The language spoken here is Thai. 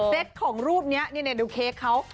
ของรูปนี้นี่ดูเค้กเขา